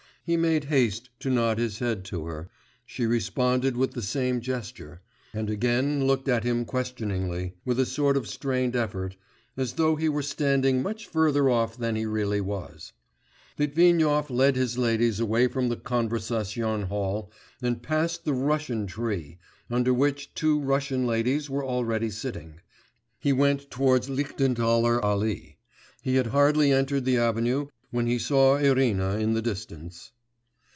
He made haste to nod his head to her, she responded with the same gesture, and again looked at him questioningly, with a sort of strained effort, as though he were standing much further off than he really was. Litvinov led his ladies away from the Konversation Hall, and passing the 'Russian tree,' under which two Russian ladies were already sitting, he went towards Lichtenthaler Allee. He had hardly entered the avenue when he saw Irina in the distance.